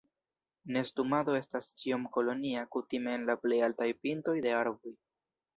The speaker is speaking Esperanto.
Nestumado estas ĉiam kolonia, kutime en la plej altaj pintoj de arboj.